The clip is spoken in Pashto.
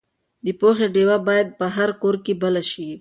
د پوهې ډیوې باید په هر کور کې بلې شي.